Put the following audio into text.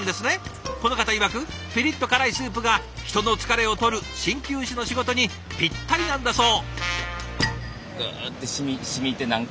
この方いわくピリッと辛いスープが人の疲れをとる鍼灸師の仕事にピッタリなんだそう。